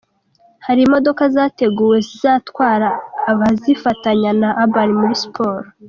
Hari imodoka zateguwe zizatwara abazifatanya na Urban Boyz muri siporo.